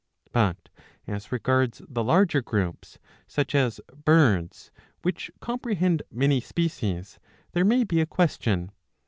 But as regards the larger groups — such as Birds — which com prehend many species, there may be a question.